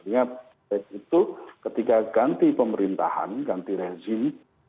artinya baik itu ketika ganti pemerintahan ganti rezim